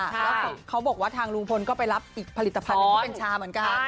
แล้วเขาบอกว่าทางลุงพลก็ไปรับอีกผลิตภัณฑ์หนึ่งที่เป็นชาเหมือนกัน